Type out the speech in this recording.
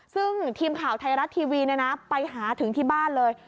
ซึ่งทีมข่าวไทยรัฐทีวีไปหาถึงที่บ้านเลย